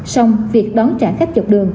xong việc đón trả khách dọc đường